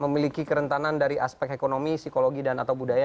memiliki kerentanan dari aspek ekonomi psikologi dan atau budaya